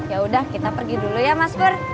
yaudah kita pergi dulu ya mas pur